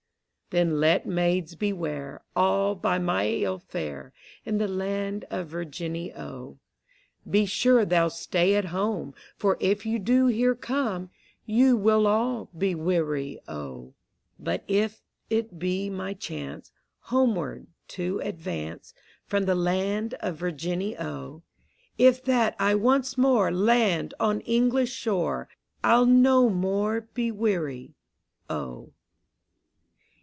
Then let Maids beware, All by my ill fare, In the land of Virginny, O: Be sure thou stay at home, For if you do here come, You will all be weary, O. But if it be my chance, Homeward to advance. From the land of Virginny, O: If that I once more Land on English shore, I'll no more be weary, O.